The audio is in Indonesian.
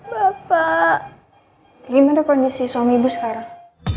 bapak gimana kondisi suami ibu sekarang